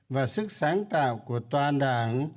và sức sáng tạo của toàn đảng